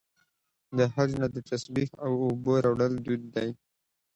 د حج نه د تسبیح او اوبو راوړل دود دی.